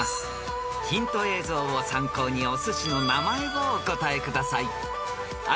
［ヒント映像を参考にお寿司の名前をお答えください］